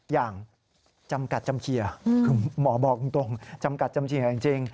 อย่างจำกัดจำเคลียร์คือหมอบอกตรงจำกัดจำเฉียจริง